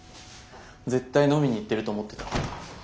絶対飲みに行ってると思ってた。